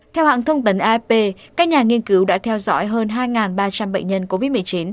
theo hãng thông tấn afp các nhà nghiên cứu đã theo dõi hơn hai ba trăm linh bệnh nhân covid một mươi chín